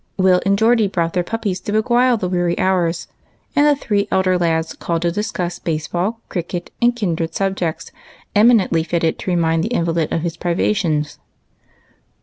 Will and Geordie brought their jDuppies to beguile the weary hours, and the three elder lads called to discuss base ball, cricket, and kindred subjects, eminently fitted to remind the invalid of his privations.